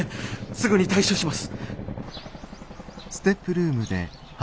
すぐに対処します。